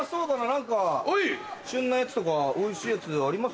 何か旬なやつとかおいしいやつあります？